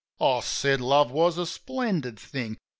I said love was a splendid thing!